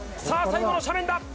さあ、最後の斜面だ。